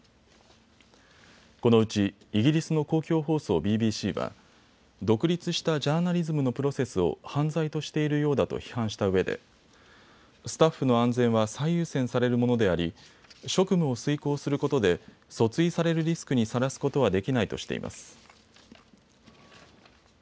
このうちイギリスの公共放送、ＢＢＣは独立したジャーナリズムのプロセスを犯罪としているようだと批判したうえでスタッフの安全は最優先されるものであり職務を遂行することで訴追されるリスクにさらすことはできないとしています。